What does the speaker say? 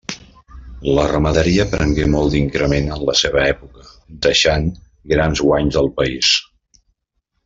La ramaderia prengué molt d'increment en la seva època, deixant grans guanys al país.